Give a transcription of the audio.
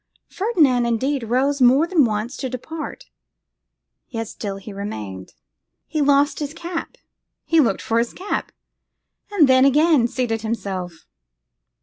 Ferdinand, indeed, rose more than once to depart; yet still he remained. He lost his cap; he looked for his cap; and then again seated himself.